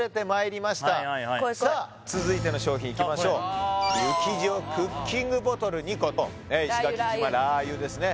はい怖い怖いさあ続いての商品いきましょう雪塩クッキングボトル２個と石垣島ラー油ですね